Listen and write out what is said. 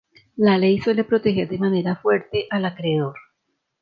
La ley suele proteger de manera fuerte al acreedor.